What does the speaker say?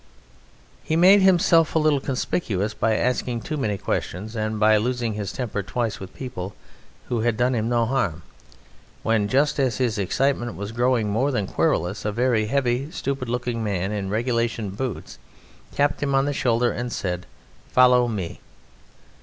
He made himself a little conspicuous by asking too many questions and by losing his temper twice with people who had done him no harm, when, just as his excitement was growing more than querulous, a very heavy, stupid looking man in regulation boots tapped him on the shoulder and said: "Follow me."